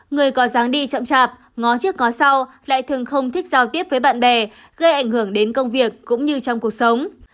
người có dáng đi chậm chạp ngó trước ngó sau lại thường không thích giao tiếp với bạn bè gây ảnh hưởng đến công việc cũng như trong cuộc sống